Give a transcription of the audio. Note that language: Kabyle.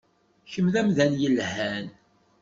Kemm d amdan yelhan.